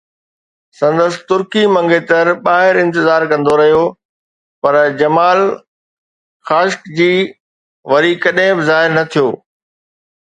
سندس ترڪي منگيتر ٻاهر انتظار ڪندو رهيو، پر جمال خاشقجي وري ڪڏهن به ظاهر نه ٿيو.